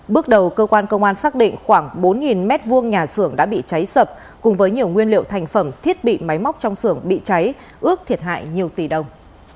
bước đầu cơ quan công an xác định khoảng bốn m hai nhà xưởng đã bị cháy sập cùng với nhiều nguyên liệu thành phẩm thiết bị máy móc trong xưởng bị cháy ước thiệt hại nhiều tỷ đồng